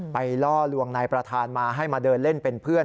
ล่อลวงนายประธานมาให้มาเดินเล่นเป็นเพื่อน